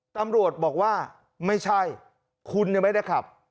ตำรวจบอกว่าไม่ใช่คุณยังไม่ได้ขับ